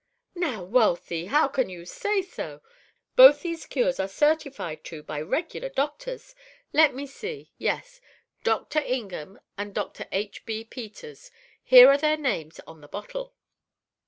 "Now, Wealthy, how can you say so! Both these cures are certified to by regular doctors. Let me see, yes, Dr. Ingham and Dr. H. B. Peters. Here are their names on the bottle!"